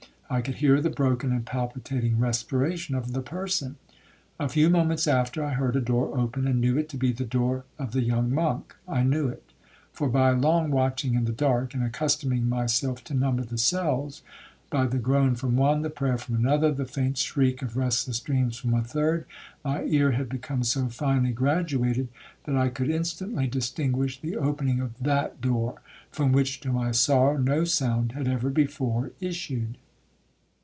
I could hear the broken and palpitating respiration of the person. A few moments after, I heard a door open, and knew it to be the door of the young monk. I knew it; for by long watching in the dark, and accustoming myself to number the cells, by the groan from one, the prayer from another, the faint shriek of restless dreams from a third, my ear had become so finely graduated, that I could instantly distinguish the opening of that door, from which (to my sorrow) no sound had ever before issued.